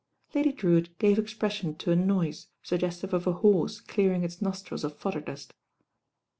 Lady Drewitt gave expression to a nois<^ sugges tivc of a horse clearing its nostrils of fodderniust.